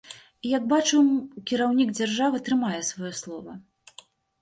І як бачым, кіраўнік дзяржавы трымае сваё слова.